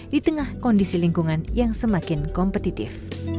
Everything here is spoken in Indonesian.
di tengah kondisi lingkungan yang semakin kompetitif